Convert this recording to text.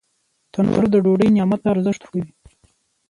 تنور د ډوډۍ نعمت ته ارزښت ورکوي